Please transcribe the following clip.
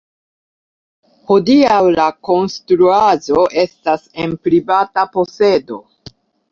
Hodiaŭ La konstruaĵo estas en privata posedo.